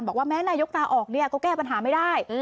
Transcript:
แม้นายกตาออกเนี่ยก็แก้ปัญหาไม่ได้